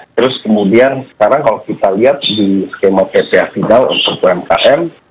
terus kemudian sekarang kalau kita lihat di skema pph final untuk umkm